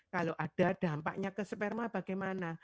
kalau ada dampaknya ke sperma bagaimana